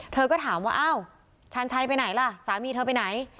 เธอก็ถามว่าอ้าวชาญชัยไปไหนล่ะสามีเธอไปไหน